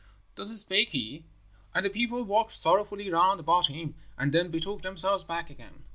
"Thus spake he, and the people walked sorrowfully round about him, and then betook themselves back again.